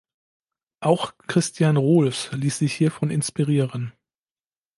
Auch Christian Rohlfs ließ sich hiervon inspirieren.